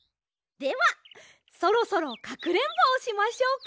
ではそろそろかくれんぼをしましょうか。